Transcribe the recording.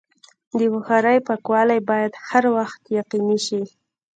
د بخارۍ پاکوالی باید هر وخت یقیني شي.